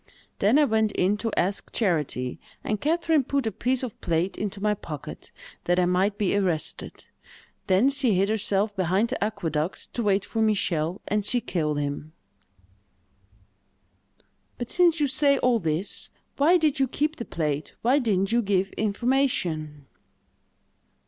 Then I went in to ask charity, and Catherine put a piece of plate into my pocket, that I might be arrested; then she hid herself behind the aqueduct to wait for Michel, and she killed him." "But, since you say all this, why did you keep the plate—why didn't you give information?"